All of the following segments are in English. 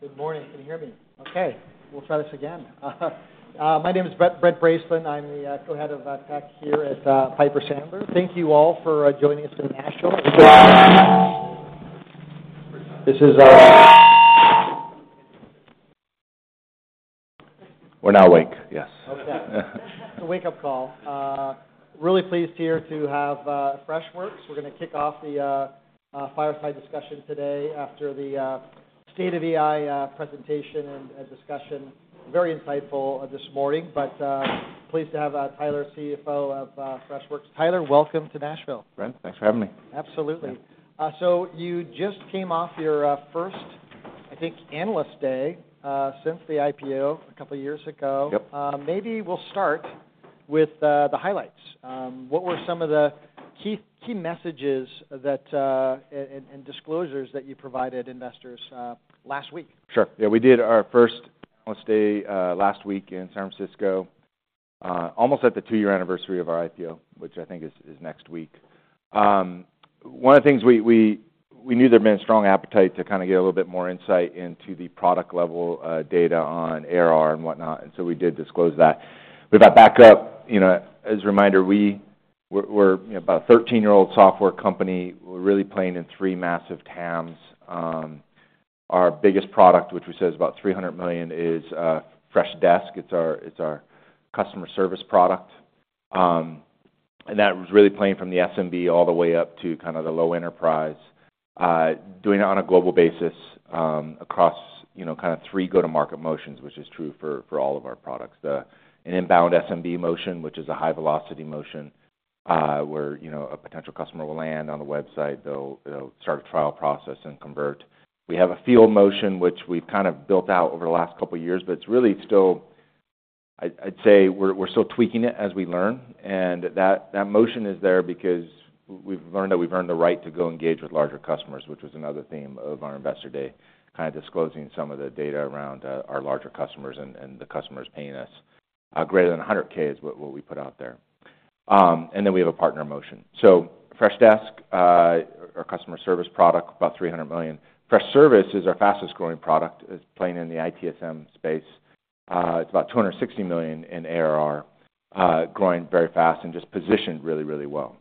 Good morning. Can you hear me? Okay, we'll try this again. My name is Brent, Brent Bracelin. I'm the co-head of tech here at Piper Sandler. Thank you all for joining us in Nashville. This is. We're now awake. Yes. Okay. It's a wake-up call. Really pleased here to have Freshworks. We're gonna kick off the fireside discussion today after the state of AI presentation and discussion. Very insightful this morning, but pleased to have Tyler, CFO of Freshworks. Tyler, welcome to Nashville. Brent, thanks for having me. Absolutely. Yeah. So you just came off your first, I think, Analyst Day since the IPO a couple of years ago. Yep. Maybe we'll start with the highlights. What were some of the key messages and disclosures that you provided investors last week? Sure. Yeah, we did our first Analyst Day last week in San Francisco, almost at the two-year anniversary of our IPO, which I think is next week. One of the things we knew there had been a strong appetite to kind of get a little bit more insight into the product-level data on ARR and whatnot, and so we did disclose that. With that back up, you know, as a reminder, we're, you know, about a 13-year-old software company. We're really playing in three massive TAMs. Our biggest product, which we say is about $300 million, is Freshdesk. It's our customer service product. And that was really playing from the SMB all the way up to kind of the low enterprise, doing it on a global basis, across, you know, kind of three go-to-market motions, which is true for all of our products. An inbound SMB motion, which is a high-velocity motion, where, you know, a potential customer will land on the website. They'll start a trial process and convert. We have a field motion, which we've kind of built out over the last couple of years, but it's really still... I'd say we're still tweaking it as we learn, and that motion is there because we've learned that we've earned the right to go engage with larger customers, which was another theme of our Investor Day, kind of disclosing some of the data around our larger customers and the customers paying us greater than $100,000 is what we put out there. And then we have a partner motion. So Freshdesk, our customer service product, about $300 million. Freshservice is our fastest-growing product. It's playing in the ITSM space. It's about $260 million in ARR, growing very fast and just positioned really, really well.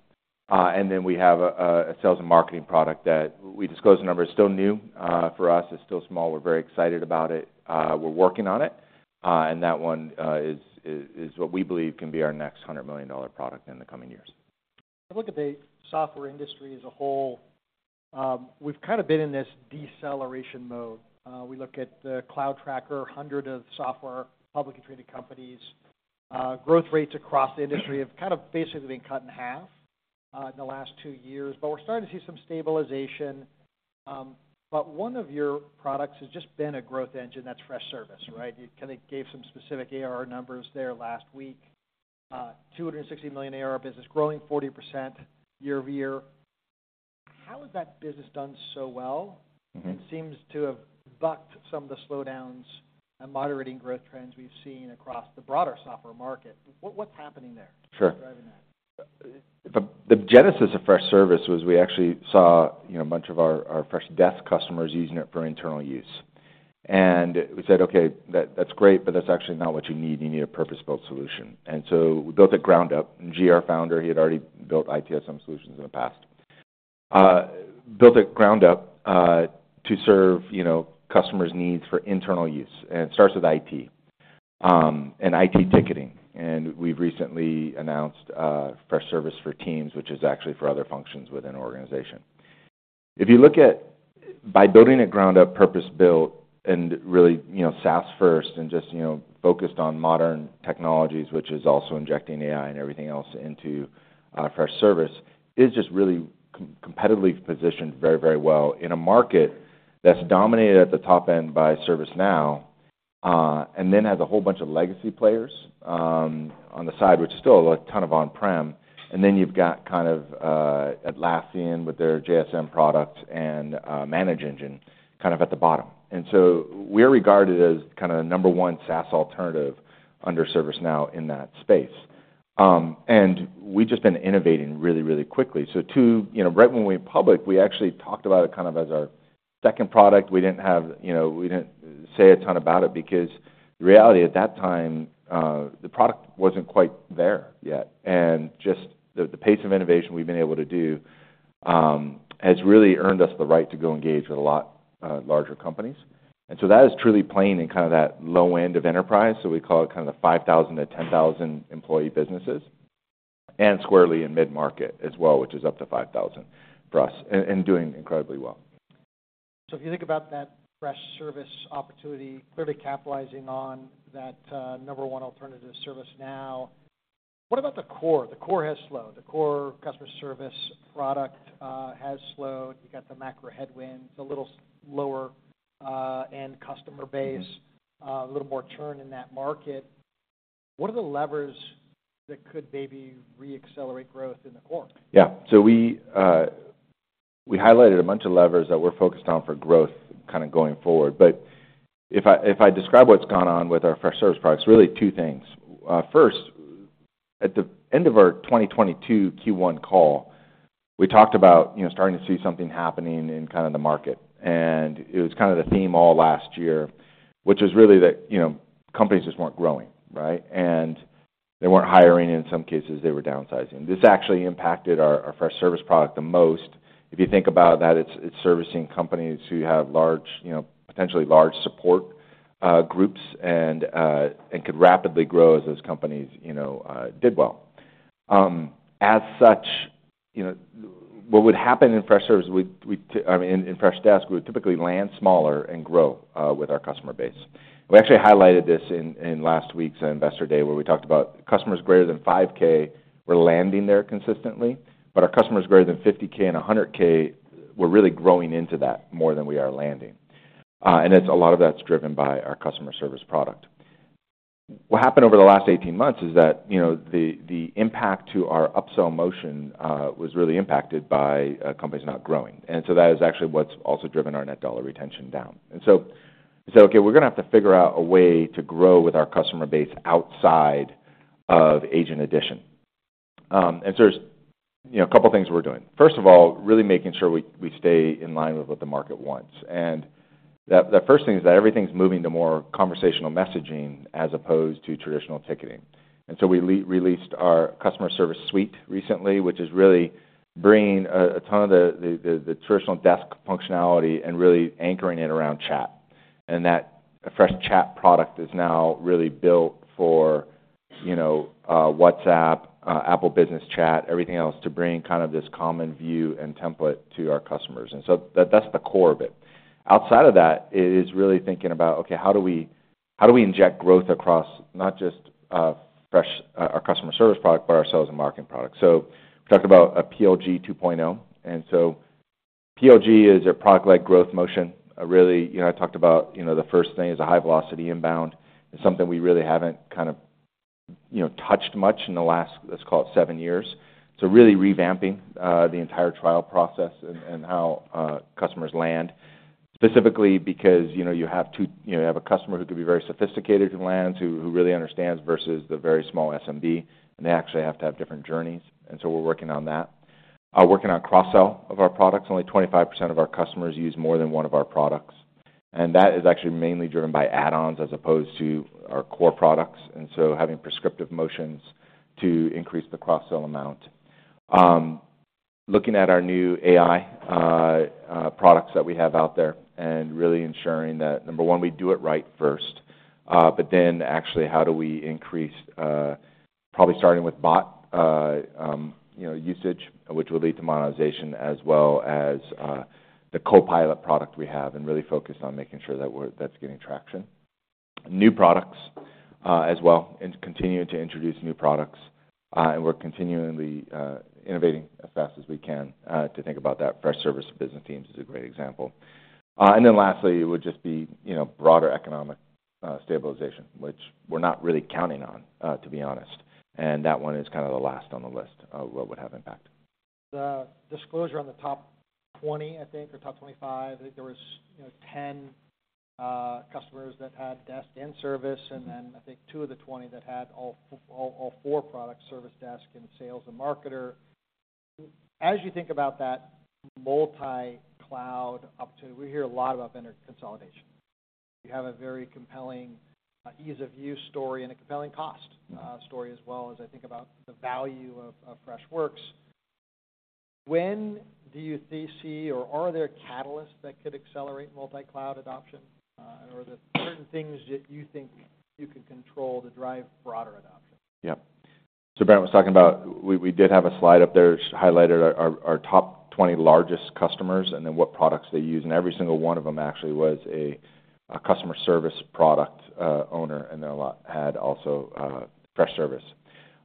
And then we have a sales and marketing product that we disclosed the numbers. It's still new for us. It's still small. We're very excited about it. We're working on it, and that one is what we believe can be our next $100 million product in the coming years. If you look at the software industry as a whole, we've kind of been in this deceleration mode. We look at the cloud tracker, hundreds of software publicly traded companies. Growth rates across the industry have kind of basically been cut in half in the last two years, but we're starting to see some stabilization. One of your products has just been a growth engine, that's Freshservice, right? You kind of gave some specific ARR numbers there last week. $260 million ARR business, growing 40% year-over-year. How has that business done so well? Mm-hmm. It seems to have bucked some of the slowdowns and moderating growth trends we've seen across the broader software market. What, what's happening there? Sure. What's driving that? The genesis of Freshservice was we actually saw, you know, a bunch of our Freshdesk customers using it for internal use. And we said, "Okay, that's great, but that's actually not what you need. You need a purpose-built solution." And so we built it ground up. And GR, our founder, he had already built ITSM solutions in the past. Built it ground up to serve, you know, customers' needs for internal use, and it starts with IT and IT ticketing. And we've recently announced Freshservice for Teams, which is actually for other functions within an organization. By building it ground up, purpose-built, and really, you know, SaaS first and just, you know, focused on modern technologies, which is also injecting AI and everything else into Freshservice, is just really competitively positioned very, very well in a market that's dominated at the top end by ServiceNow, and then has a whole bunch of legacy players on the side, which still a ton of on-prem. And then you've got kind of Atlassian with their JSM product and ManageEngine, kind of at the bottom. And so we're regarded as kind of the number 1 SaaS alternative under ServiceNow in that space. And we've just been innovating really, really quickly. So to you know, right when we went public, we actually talked about it kind of as our second product. We didn't have, you know, we didn't say a ton about it because the reality at that time, the product wasn't quite there yet. And just the, the pace of innovation we've been able to do has really earned us the right to go engage with a lot, larger companies. And so that is truly playing in kind of that low end of enterprise, so we call it kind of the 5,000-10,000 employee businesses, and squarely in mid-market as well, which is up to 5,000 for us, and doing incredibly well. So if you think about that Freshservice opportunity, clearly capitalizing on that, number one alternative, ServiceNow, what about the core? The core has slowed. The core customer service product, has slowed. You've got the macro headwinds, a little lower, end customer base- Mm-hmm. A little more churn in that market. What are the levers that could maybe re-accelerate growth in the core? Yeah. So we highlighted a bunch of levers that we're focused on for growth kind of going forward. But if I describe what's gone on with our Freshservice products, really two things. At the end of our 2022 Q1 call, we talked about, you know, starting to see something happening in kind of the market. And it was kind of the theme all last year, which is really that, you know, companies just weren't growing, right? And they weren't hiring, in some cases, they were downsizing. This actually impacted our Freshservice product the most. If you think about that, it's servicing companies who have large, you know, potentially large support groups, and could rapidly grow as those companies, you know, did well. As such, you know, what would happen in Freshservice, I mean, in Freshdesk, we would typically land smaller and grow with our customer base. We actually highlighted this in last week's Investor Day, where we talked about customers greater than 5,000 were landing there consistently, but our customers greater than 50,000 and 100,000 were really growing into that more than we are landing. And it's a lot of that's driven by our customer service product. What happened over the last 18 months is that, you know, the impact to our upsell motion was really impacted by companies not growing. And so that is actually what's also driven our net dollar retention down. And so we said, "Okay, we're gonna have to figure out a way to grow with our customer base outside of agent addition." And so there's, you know, a couple of things we're doing. First of all, really making sure we stay in line with what the market wants. And the first thing is that everything's moving to more conversational messaging as opposed to traditional ticketing. And so we re-released our customer service suite recently, which is really bringing a ton of the traditional desk functionality and really anchoring it around chat. And that Freshchat product is now really built for, you know, WhatsApp, Apple Business Chat, everything else, to bring kind of this common view and template to our customers. And so that's the core of it. Outside of that, it is really thinking about, okay, how do we inject growth across not just, Fresh, our customer service product, but our sales and marketing product? So we talked about a PLG 2.0, and so PLG is a product-led growth motion. Really, you know, I talked about, you know, the first thing is a high-velocity inbound, and something we really haven't kind of, you know, touched much in the last, let's call it, seven years. So really revamping, the entire trial process and how, customers land. Specifically because, you know, you have two... You know, you have a customer who could be very sophisticated who lands, who really understands, versus the very small SMB, and they actually have to have different journeys, and so we're working on that. Working on cross-sell of our products. Only 25% of our customers use more than one of our products, and that is actually mainly driven by add-ons as opposed to our core products, and so having prescriptive motions to increase the cross-sell amount. Looking at our new AI products that we have out there and really ensuring that, number one, we do it right first, but then actually, how do we increase, probably starting with bot, you know, usage, which will lead to monetization as well as the copilot product we have, and really focus on making sure that we're, that's gaining traction. New products, as well, and continuing to introduce new products, and we're continually innovating as fast as we can to think about that. Freshservice for Business Teams is a great example. And then lastly, it would just be, you know, broader economic stabilization, which we're not really counting on, to be honest, and that one is kind of the last on the list of what would have impact. The disclosure on the top 20, I think, or top 25, I think there was, you know, 10 customers that had Freshdesk and Freshservice, and then I think two of the 20 that had all four products, Freshservice, Freshdesk, and Freshsales, and Freshmarketer. As you think about that multi-cloud opportunity, we hear a lot about vendor consolidation. You have a very compelling ease-of-use story and a compelling cost story as well, as I think about the value of Freshworks. When do you see or are there catalysts that could accelerate multi-cloud adoption, or are there certain things that you think you can control to drive broader adoption? Yeah. So Brent was talking about, we did have a slide up there which highlighted our top 20 largest customers, and then what products they use, and every single one of them actually was a customer service product owner, and then a lot had also Freshservice.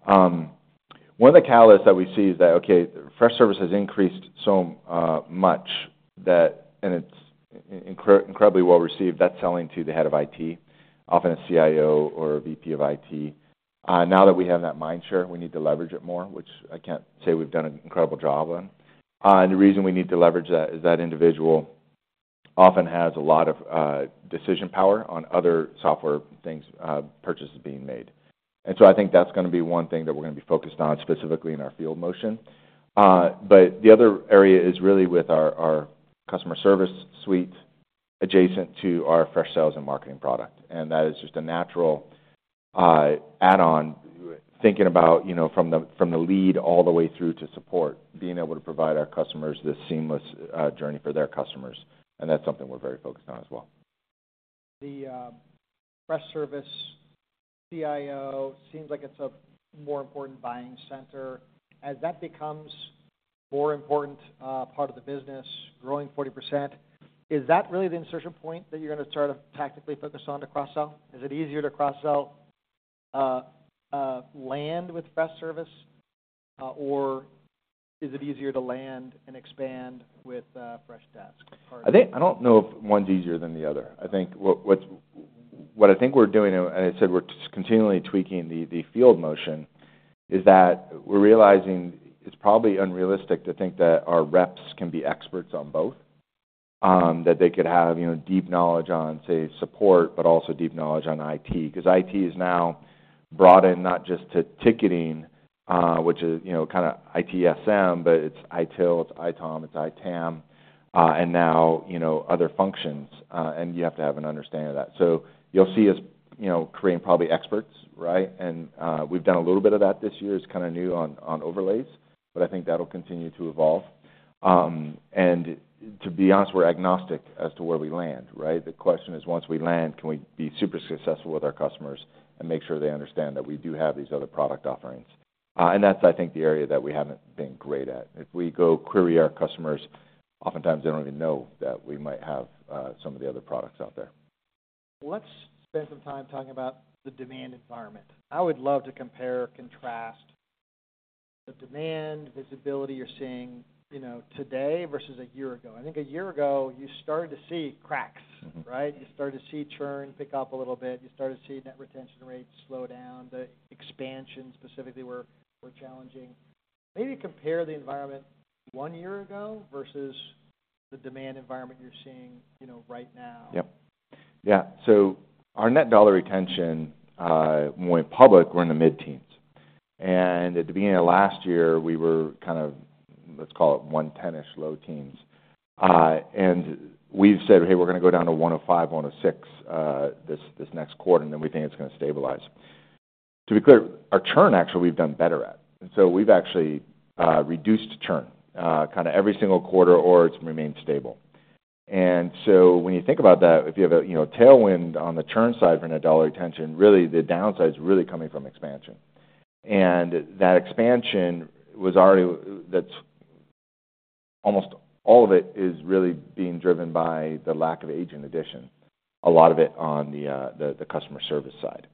One of the catalysts that we see is that, okay, Freshservice has increased so much, that and it's incredibly well received, that's selling to the head of IT, often a CIO or a VP of IT. Now that we have that mind share, we need to leverage it more, which I can't say we've done an incredible job on. And the reason we need to leverage that is that individual often has a lot of decision power on other software things, purchases being made. And so I think that's gonna be one thing that we're gonna be focused on, specifically in our field motion. But the other area is really with our, our customer service suite, adjacent to our Freshsales and Marketing product. And that is just a natural, add-on, thinking about, you know, from the lead all the way through to support, being able to provide our customers this seamless, journey for their customers, and that's something we're very focused on as well. The Freshservice CIO seems like it's a more important buying center. As that becomes more important part of the business, growing 40%, is that really the insertion point that you're gonna sort of tactically focus on to cross-sell? Is it easier to cross-sell land with Freshservice, or is it easier to land and expand with Freshdesk? I think I don't know if one's easier than the other. I think what's what I think we're doing, and I said we're just continually tweaking the field motion, is that we're realizing it's probably unrealistic to think that our reps can be experts on both that they could have, you know, deep knowledge on, say, support, but also deep knowledge on IT. 'Cause IT is now broadened not just to ticketing, which is, you know, kind of ITSM, but it's ITIL, it's ITOM, it's ITAM, and now, you know, other functions. And you have to have an understanding of that. So you'll see us, you know, creating probably experts, right? And we've done a little bit of that this year. It's kind of new on overlays, but I think that'll continue to evolve. To be honest, we're agnostic as to where we land, right? The question is, once we land, can we be super successful with our customers and make sure they understand that we do have these other product offerings? That's, I think, the area that we haven't been great at. If we go query our customers, oftentimes they don't even know that we might have, some of the other products out there. Let's spend some time talking about the demand environment. I would love to compare, contrast the demand visibility you're seeing, you know, today versus a year ago. I think a year ago, you started to see cracks, right? Mm-hmm. You started to see churn pick up a little bit. You started to see net retention rates slow down. The expansion specifically were challenging. Maybe compare the environment one year ago versus the demand environment you're seeing, you know, right now. Yep. Yeah. So our net dollar retention, when we went public, were in the mid-teens, and at the beginning of last year, we were kind of, let's call it 110-ish, low teens. And we've said, "Hey, we're gonna go down to 105, 106, this next quarter, and then we think it's gonna stabilize." To be clear, our churn, actually, we've done better at, and so we've actually, reduced churn, kind of every single quarter, or it's remained stable. And so when you think about that, if you have a, you know, tailwind on the churn side for net dollar retention, really, the downside is really coming from expansion. That expansion was already—that's almost all of it is really being driven by the lack of agent addition, a lot of it on the customer service side.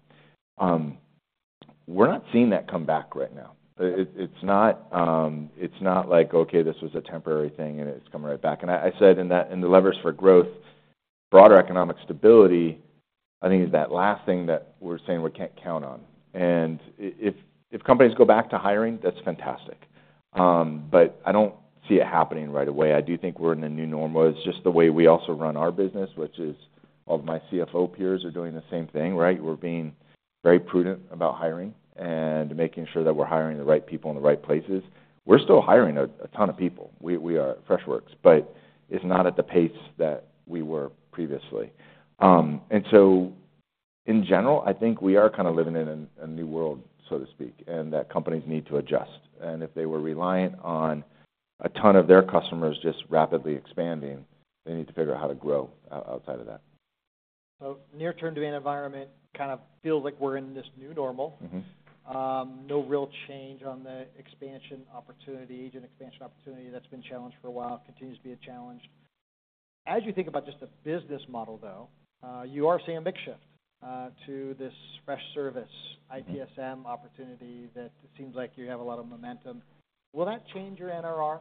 We're not seeing that come back right now. It's not like, okay, this was a temporary thing, and it's coming right back. And I said in that, in the levers for growth, broader economic stability, I think, is that last thing that we're saying we can't count on. And if companies go back to hiring, that's fantastic, but I don't see it happening right away. I do think we're in a new normal. It's just the way we also run our business, which is all of my CFO peers are doing the same thing, right? We're being very prudent about hiring and making sure that we're hiring the right people in the right places. We're still hiring a ton of people. We are at Freshworks, but it's not at the pace that we were previously. And so in general, I think we are kind of living in a new world, so to speak, and that companies need to adjust. And if they were reliant on a ton of their customers just rapidly expanding, they need to figure out how to grow outside of that. Near term to the environment, kind of feels like we're in this new normal. Mm-hmm. No real change on the expansion opportunity, agent expansion opportunity that's been challenged for a while, continues to be a challenge. As you think about just the business model, though, you are seeing a mix shift to this Freshservice- Mm-hmm... ITSM opportunity that it seems like you have a lot of momentum. Will that change your NRR,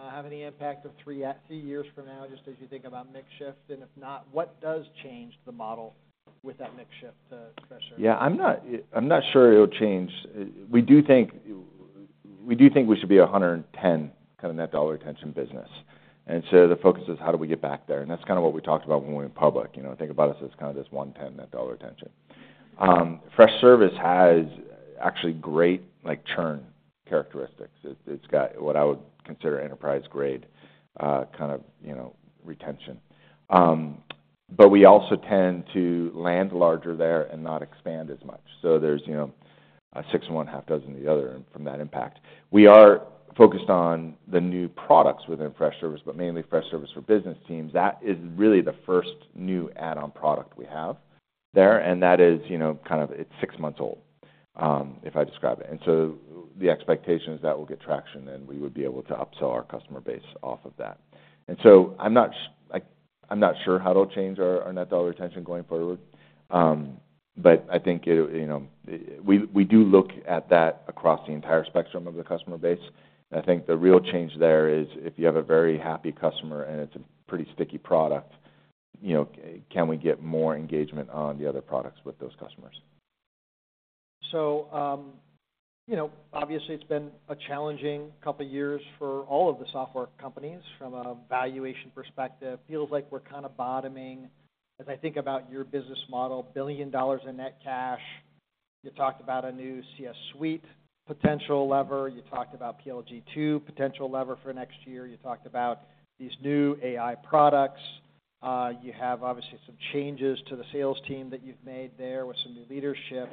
have any impact in three years from now, just as you think about mix shift? And if not, what does change the model with that mix shift to Freshservice? Yeah, I'm not sure it'll change. We do think we should be 110 kind of net dollar retention business, and so the focus is how do we get back there? And that's kind of what we talked about when we went public. You know, think about us as kind of this 110 net dollar retention. Freshservice has actually great, like, churn characteristics. It's got what I would consider enterprise-grade kind of, you know, retention. But we also tend to land larger there and not expand as much. So there's, you know, six of one, half a dozen of the other, and from that impact. We are focused on the new products within Freshservice, but mainly Freshservice for Business Teams. That is really the first new add-on product we have there, and that is, you know, kind of. It's six months old, if I describe it. And so the expectation is that we'll get traction, and we would be able to upsell our customer base off of that. And so I'm not like, I'm not sure how it'll change our, our net dollar retention going forward, but I think it, you know, we, we do look at that across the entire spectrum of the customer base. I think the real change there is, if you have a very happy customer and it's a pretty sticky product, you know, can we get more engagement on the other products with those customers? So, you know, obviously, it's been a challenging couple of years for all of the software companies from a valuation perspective. Feels like we're kind of bottoming. As I think about your business model, $1 billion in net cash, you talked about a new CS suite potential lever, you talked about PLG 2.0 potential lever for next year, you talked about these new AI products, you have obviously some changes to the sales team that you've made there with some new leadership.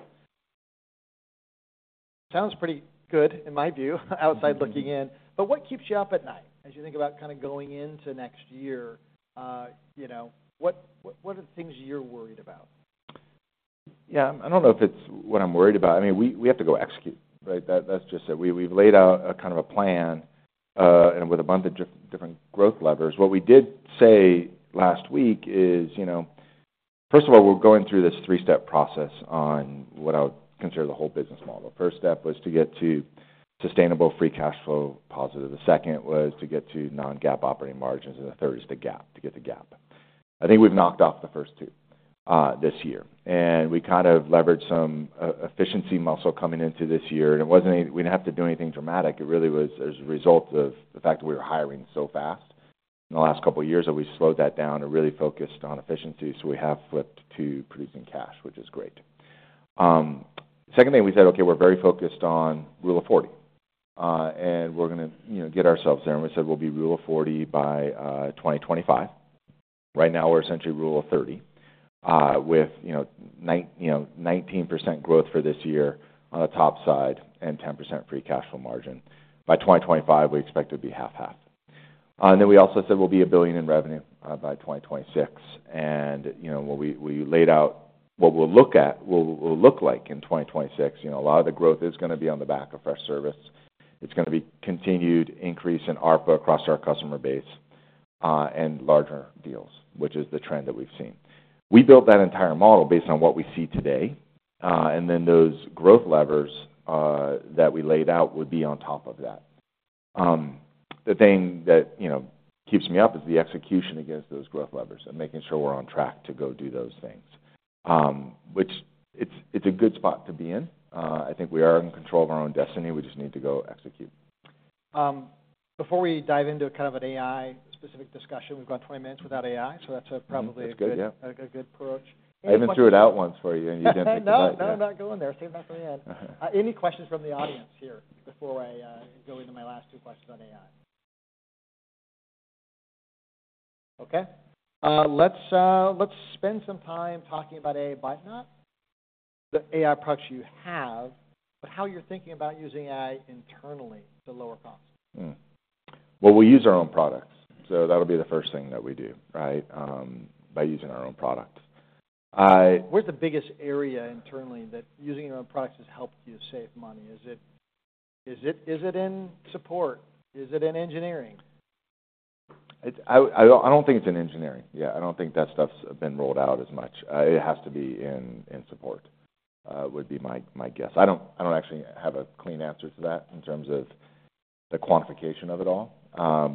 Sounds pretty good, in my view, outside looking in. Mm-hmm. What keeps you up at night as you think about kind of going into next year? You know, what, what, what are the things you're worried about? Yeah, I don't know if it's what I'm worried about. I mean, we have to go execute, right? That's just it. We've laid out a kind of a plan, and with a bunch of different growth levers. What we did say last week is, you know... First of all, we're going through this three-step process on what I would consider the whole business model. First step was to get to sustainable free cash flow positive. The second was to get to non-GAAP operating margins, and the third is the GAAP, to get to GAAP. I think we've knocked off the first two this year, and we kind of leveraged some efficiency muscle coming into this year, and it wasn't. We didn't have to do anything dramatic. It really was as a result of the fact that we were hiring so fast in the last couple of years, that we slowed that down and really focused on efficiency. So we have flipped to producing cash, which is great. Second thing, we said, okay, we're very focused on Rule of 40, and we're gonna, you know, get ourselves there. And we said, we'll be Rule of 40 by 2025. Right now, we're essentially Rule of 30, with, you know, 19% growth for this year on the top side and 10% free cash flow margin. By 2025, we expect it to be half-half. And then we also said we'll be $1 billion in revenue by 2026. And, you know, what we, we laid out what we'll look at, what we'll look like in 2026. You know, a lot of the growth is gonna be on the back of our service. It's gonna be continued increase in ARPA across our customer base, and larger deals, which is the trend that we've seen. We built that entire model based on what we see today, and then those growth levers that we laid out would be on top of that. The thing that, you know, keeps me up is the execution against those growth levers and making sure we're on track to go do those things. Which it's, it's a good spot to be in. I think we are in control of our own destiny. We just need to go execute. Before we dive into kind of an AI-specific discussion, we've gone 20 minutes without AI, so that's probably- Mm-hmm. That's good, yeah. A good approach. I even threw it out once for you, and you didn't pick it up. No, no, I'm not going there. Save that for the end. Any questions from the audience here before I go into my last two questions on AI? Okay. Let's spend some time talking about AI, but not the AI products you have, but how you're thinking about using AI internally to lower costs. Well, we use our own products, so that'll be the first thing that we do, right? By using our own products. Where's the biggest area internally that using your own products has helped you save money? Is it in support? Is it in engineering? I don't think it's in engineering. Yeah, I don't think that stuff's been rolled out as much. It has to be in support, would be my guess. I don't actually have a clean answer to that in terms of the quantification of it all,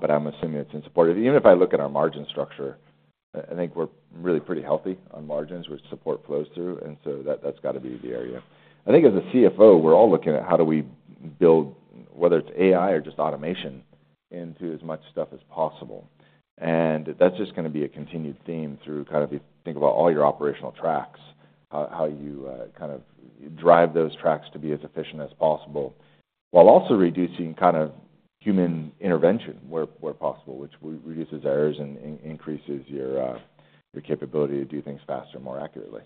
but I'm assuming it's in support. Even if I look at our margin structure, I think we're really pretty healthy on margins, which support flows through, and so that's got to be the area. I think as a CFO, we're all looking at how do we build, whether it's AI or just automation, into as much stuff as possible. That's just gonna be a continued theme through kind of if you think about all your operational tracks, how you kind of drive those tracks to be as efficient as possible, while also reducing kind of human intervention where possible, which reduces errors and increases your capability to do things faster, more accurately.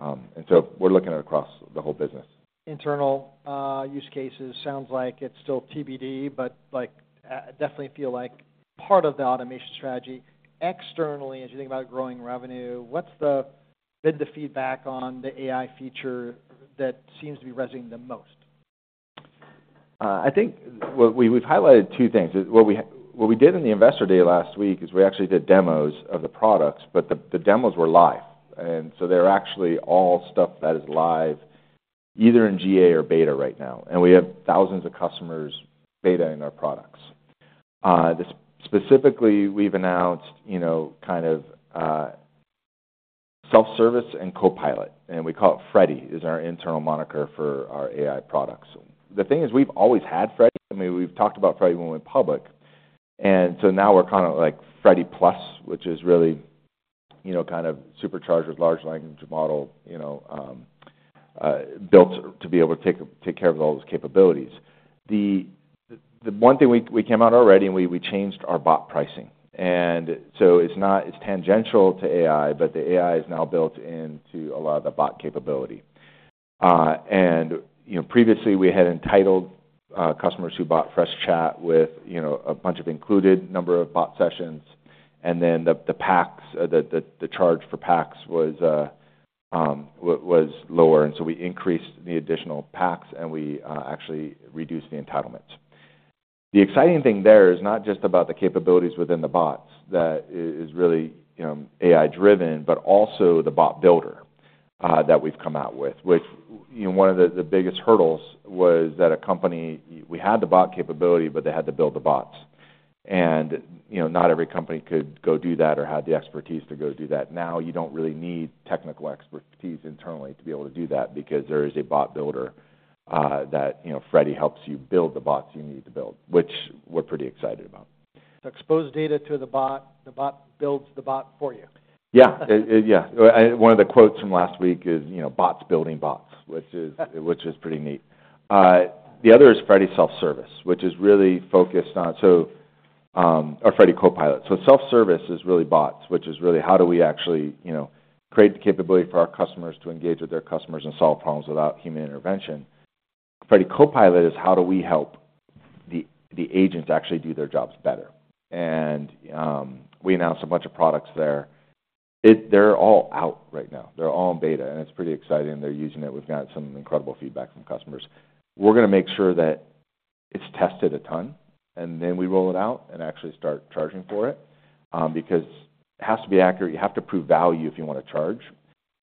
And so we're looking at across the whole business. Internal use cases sounds like it's still TBD, but like definitely feel like part of the automation strategy. Externally, as you think about growing revenue, what's been the feedback on the AI feature that seems to be resonating the most? I think what we've highlighted two things. What we did in the Investor Day last week is we actually did demos of the products, but the demos were live, and so they're actually all stuff that is live, either in GA or beta right now, and we have thousands of customers beta in our products. Specifically, we've announced, you know, kind of, Self Service and Copilot, and we call it Freddy, is our internal moniker for our AI products. The thing is, we've always had Freddy. I mean, we've talked about Freddy when we went public, and so now we're kind of like Freddy Plus, which is really, you know, kind of supercharged with large language model, you know, built to be able to take care of all those capabilities. The one thing we came out already, and we changed our bot pricing. And so it's not. It's tangential to AI, but the AI is now built into a lot of the bot capability. And, you know, previously we had entitled customers who bought Freshchat with, you know, a bunch of included number of bot sessions, and then the packs, the charge for packs was lower, and so we increased the additional packs, and we actually reduced the entitlements. The exciting thing there is not just about the capabilities within the bots that is really, you know, AI driven, but also the Bot Builder that we've come out with, which, you know, one of the biggest hurdles was that a company. We had the bot capability, but they had to build the bots. You know, not every company could go do that or had the expertise to go do that. Now, you don't really need technical expertise internally to be able to do that because there is a Bot Builder that, you know, Freddy helps you build the bots you need to build, which we're pretty excited about. Expose data to the bot. The bot builds the bot for you. Yeah. One of the quotes from last week is, you know, "Bots building bots," which is pretty neat. The other is Freddy Self Service, which is really focused on... So, or Freddy Copilot. Self Service is really bots, which is really how do we actually, you know, create the capability for our customers to engage with their customers and solve problems without human intervention? Freddy Copilot is how do we help the agents actually do their jobs better? And we announced a bunch of products there. They're all out right now. They're all in beta, and it's pretty exciting, and they're using it. We've got some incredible feedback from customers. We're gonna make sure that it's tested a ton, and then we roll it out and actually start charging for it, because it has to be accurate. You have to prove value if you wanna charge,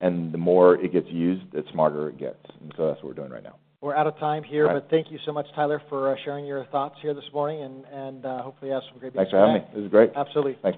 and the more it gets used, the smarter it gets. And so that's what we're doing right now. We're out of time here. Right. -But thank you so much, Tyler, for sharing your thoughts here this morning and hopefully you have some great- Thanks for having me. It was great. Absolutely. Thanks.